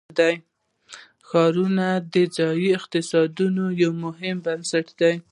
ښارونه د ځایي اقتصادونو یو مهم بنسټ دی.